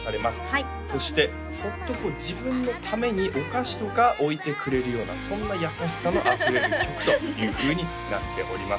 はいそしてそっとこう自分のためにお菓子とか置いてくれるようなそんな優しさのあふれる曲というふうになっております